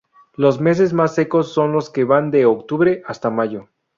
Los meses más secos son los que van de Octubre hasta Mayo.